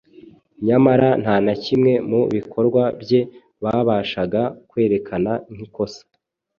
nyamara nta na kimwe mu bikorwa bye babashaga kwerekana nk’ikosa.